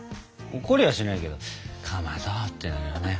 怒りはしないけど「かまど」ってなるよね。